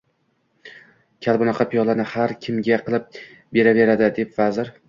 Kal bunaqa piyolani har kimga qilib beraveradi, debdi vazir